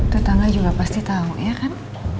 tetangga juga pasti tahu ya kan